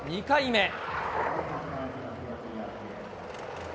２回目。